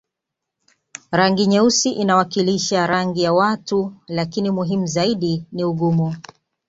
Rangi nyeusi inawakilisha rangi ya watu lakini muhimu zaidi ni ugumu